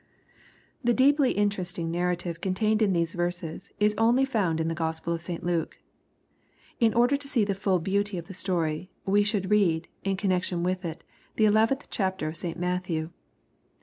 The deeply interesting narrative contained in these verses, is only found in the Gospel of St. Luke. In order to see the full beauty of the story, we should read, in connection with it, the eleventh chapter of St. Matthew.